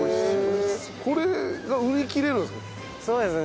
これが売り切れるんですか？